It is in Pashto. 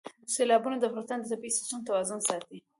سیلابونه د افغانستان د طبعي سیسټم توازن ساتي.